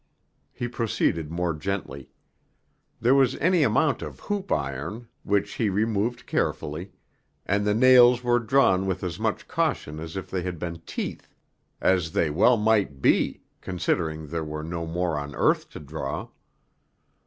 He proceeded more gently. There was any amount of hoop iron, which he removed carefully, and the nails were drawn with as much caution as if they had been teeth, as they well might be, considering there were no more on earth to draw.